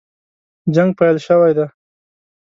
جنګ پیل شوی دی.